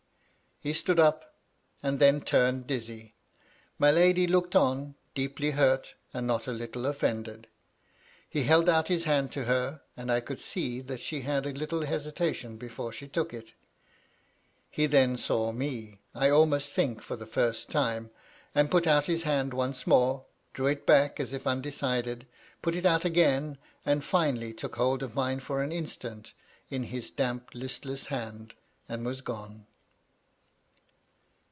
He stood up, and then turned dizzy. My lady looked on, deeply hurt, and not a little offended. He held out his hand to her, and I could see that she had a little hesitation before she took it He then saw me, I almost think, for the first time ; and put out his hand once more, drew it back, as if undecided, put it out again, and finally took hold of mine for an instant in his damp, listless hand, and was gone.